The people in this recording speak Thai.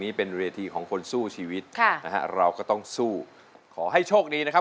ไม่เป็นไรค่ะมันไม่เสียใจ